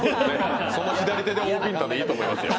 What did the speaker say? その左手でおビンタでいいと思いますよ。